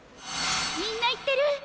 みんな言ってる。